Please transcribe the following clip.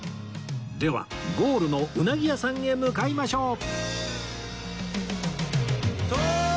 ではゴールのうなぎ屋さんへ向かいましょう！